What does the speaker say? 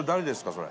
それ。